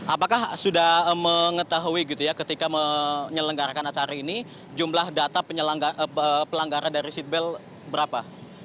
apakah sudah mengetahui gitu ya ketika menyelenggarakan acara ini jumlah data pelanggaran dari seatbelt berapa